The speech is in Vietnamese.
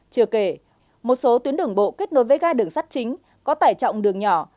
chưa kể một số tuyến đường bộ kết nối với ga đường sắt chính có tải trọng đường nhỏ